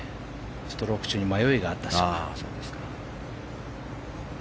ストローク中に迷いがあったようですが。